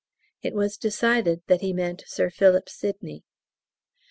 It was decided that he meant Sir Philip Sidney.